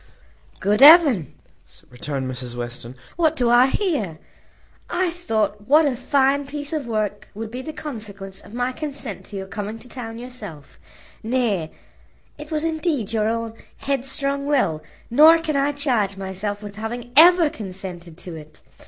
"Good heaven!" returned Mrs Western, "what do I hear? I thought what a fine piece of work would be the consequence of my consent to your coming to town yourself; nay, it was indeed your own headstrong will, nor can I charge myself with having ever consented to it.